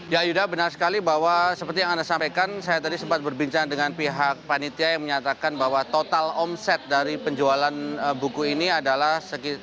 ya yuda benar sekali bahwa seperti yang anda sampaikan saya tadi sempat berbincang dengan pihak panitia yang menyatakan bahwa total omset dari penjualan buku ini adalah